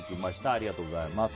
ありがとうございます。